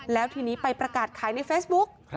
แล้วทีนี้ไปประกาศขายในเฟซบุ๊ก